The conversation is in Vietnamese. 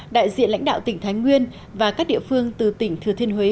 đại diện lãnh đạo tỉnh thái nguyên và các địa phương từ tỉnh thừa thiên huế